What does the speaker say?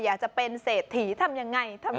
อยากจะเป็นเศรษฐีทำยังไงทำยังไง